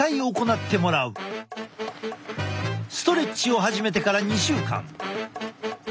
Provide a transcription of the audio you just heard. ストレッチを始めてから２週間。